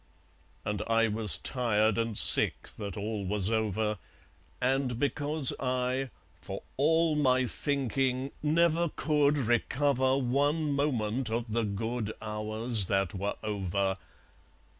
And I was tired and sick that all was over, And because I, For all my thinking, never could recover One moment of the good hours that were over.